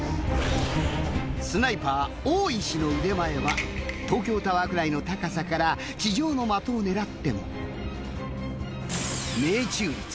スナイパー大石の腕前は東京タワーぐらいの高さから地上の的を狙っても。